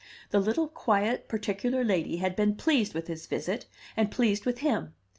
The little quiet, particular lady had been pleased with his visit, and pleased with him.